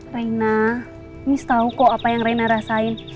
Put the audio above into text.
reina miss tau kok apa yang reina rasain